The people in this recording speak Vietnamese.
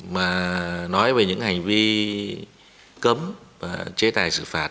mà nói về những hành vi cấm và chế tài xử phạt